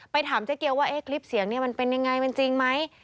ถามเจ๊เกียวว่าคลิปเสียงเนี่ยมันเป็นยังไงมันจริงไหม